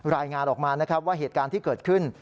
รายงานออกมานะครับว่าเหตุการณ์ที่เกิดขึ้น